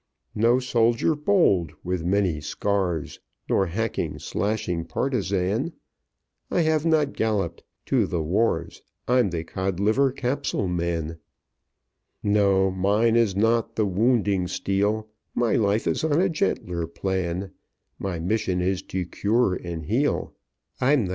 "No soldier bold, with many scars, Nor hacking, slashing partisan; I have not galloped to the wars I'm the Codliver Capsule Man. "No, mine is not the wounding steel, My life is on a gentler plan; My mission is to cure and heal I'm the Codliver Capsule Man.